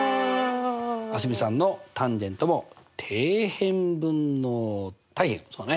蒼澄さんのｔａｎも底辺分の対辺そうだね。